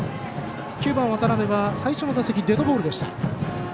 ９番、渡辺は最初の打席デッドボールでした。